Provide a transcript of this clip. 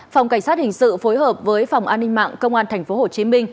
phòng cảnh sát hình sự phối hợp với phòng an ninh mạng công an tp hcm